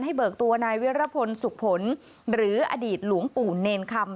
ให้เบิกตัวนายเวรพลสุขภนธ์หรืออดีตหลวงปู่เน่นคำ